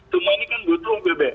semua ini kan butuh bbm